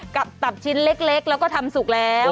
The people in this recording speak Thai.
ตับชิ้นเล็กแล้วก็ทำสุกแล้ว